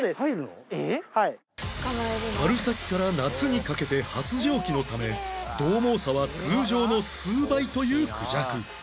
春先から夏にかけて発情期のためどう猛さは通常の数倍というクジャク